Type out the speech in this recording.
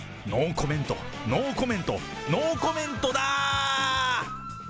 ノーコメント、ノーコメント、ノーコメントだー！